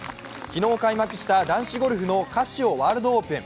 昨日開幕した男子ゴルフのカシオワールドオープン。